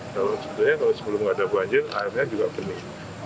kalau sebelum ada banjir airnya juga penuh